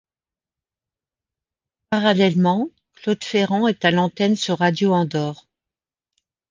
Parallèlement, Claude Ferran est à l'antenne sur Radio Andorre.